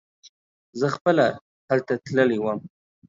زه خپله هلته تللی وم.